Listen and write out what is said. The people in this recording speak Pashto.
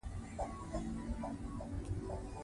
امیر محمد یعقوب خان بندي سوی وو.